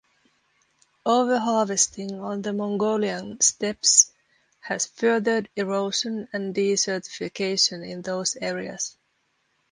Over-harvesting on the Mongolian steppes has furthered erosion and desertification in those areas.